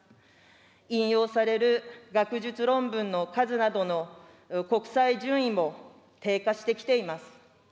引用される学術論文の数などの国際順位も低下してきています。